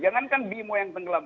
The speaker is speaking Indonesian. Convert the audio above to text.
jangan kan bimo yang tenggelam